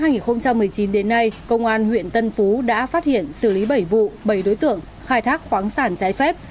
từ năm hai nghìn một mươi chín đến nay công an huyện tân phú đã phát hiện xử lý bảy vụ bảy đối tượng khai thác khoáng sản trái phép